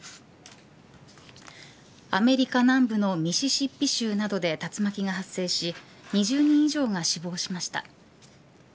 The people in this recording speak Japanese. アメリカ南部のミシシッピ州などで竜巻が発生し２０人以上が死亡しました。